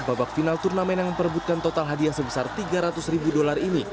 babak final turnamen yang memperbutkan total hadiah sebesar tiga ratus ribu dolar ini